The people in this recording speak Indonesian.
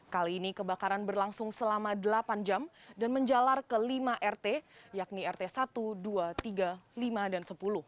kali ini kebakaran berlangsung selama delapan jam dan menjalar ke lima rt yakni rt satu dua tiga lima dan sepuluh